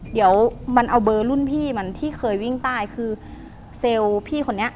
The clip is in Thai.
เดี๋ยวมันเอาเบอร์รุ่นพี่มันที่เคยวิ่งใต้คือเซลล์พี่คนนี้